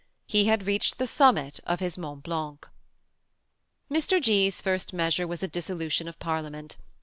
He had reached the summit of his Mont Blanc. Mr. G.'s first measure was a dissolution of Parlia ment.